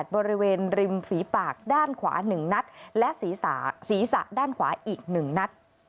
บริเวณริมฝีปากด้านขวา๑นัดและศีรษะด้านขวาอีก๑นัด